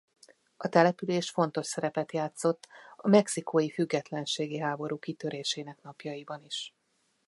A település fontos szerepet játszott a mexikói függetlenségi háború kitörésének napjaiban is.